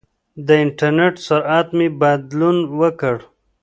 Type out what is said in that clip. د انټرنېټ سرعت مې بدلون وکړ.